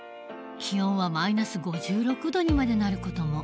気温はマイナス５６度にまでなる事も。